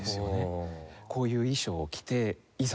こういう衣装を着ていざ